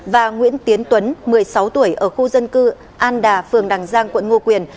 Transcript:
và nguyễn tiến tuấn một mươi sáu tuổi ở khu dân cư an đà phường đằng giang quận ngo quyền